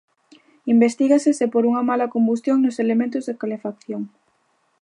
Investígase se por unha mala combustión nos elementos de calefacción.